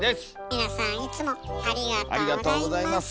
皆さんいつもありがとうございます。